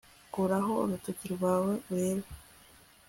kuraho urutoki rwawe urebe